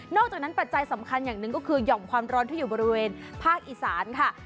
อกจากนั้นปัจจัยสำคัญอย่างหนึ่งก็คือห่อมความร้อนที่อยู่บริเวณภาคอีสานค่ะ